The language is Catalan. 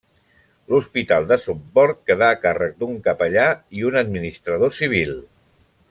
L'hospital de Somport quedà a càrrec d'un capellà i un administrador civil.